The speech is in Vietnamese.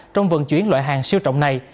trong vận chuyển loại hàng siêu trọng này